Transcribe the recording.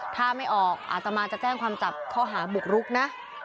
ถ้าไม่ออกอาตมาจะแจ้งความจับข้อหาบุกรุกนะ